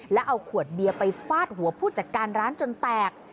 แล้วเอาขวดเบียร์ไปฟาดหัวผู้จัดการร้านจนแตก